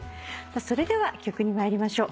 それでは曲に参りましょう。